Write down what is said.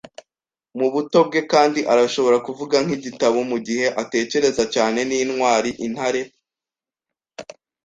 mubuto bwe kandi arashobora kuvuga nkigitabo mugihe atekereza cyane; n'intwari - intare